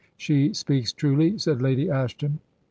'She speaks truly,' said Lady Ashton.